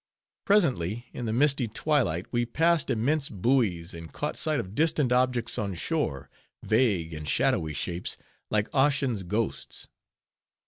Presently, in the misty twilight, we passed immense buoys, and caught sight of distant objects on shore, vague and shadowy shapes, like Ossian's ghosts.